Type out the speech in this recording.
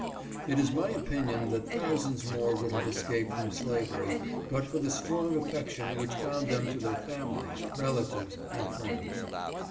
It is my opinion that thousands more would have escaped from slavery but for the strong affection which bound them to their families, relatives, and friends.